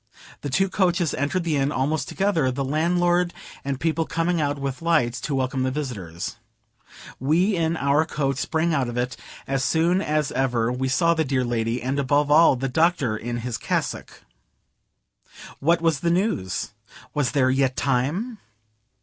The two coaches entered the inn almost together; the landlord and people coming out with lights to welcome the visitors. We in our coach sprang out of it, as soon as ever we saw the dear lady, and above all, the Doctor in his cassock. What was the news? Was there yet time?